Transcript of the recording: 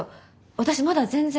私まだ全然。